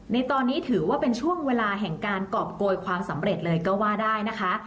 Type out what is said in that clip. ในตอนนี้ถือว่าเป็นช่วงเวลาแห่งการกรอบโกยความสำเร็จเลยก็ว่าได้นะคะ